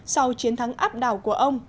sau chiến thắng áp đảo của ông